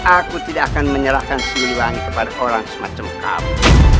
aku tidak akan menyerahkan siwani kepada orang semacam kamu